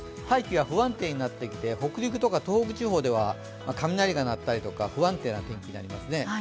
大気が不安定になってきて、北陸とか東北地方では雷が鳴ったり不安定な天気になりますね。